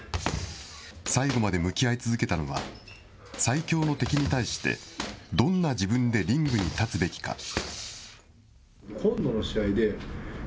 最後まで向き合い続けたのは、最強の敵に対して、どんな自分でリングに立つべきか。